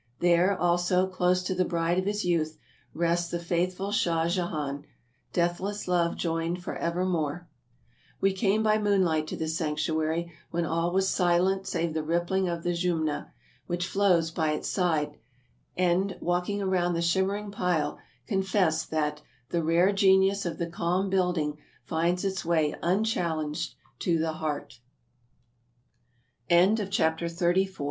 There, also, close to the bride of his youth, rests the faithful Shah Jehan. Deathless love joined forevermore. We came by moonlight to this sanctuary, when all was silent save the rippling of the Jumna, which flows by its side ; and, walking around the shimmering pile, confessed that '' the rare genius of the calm building finds its wa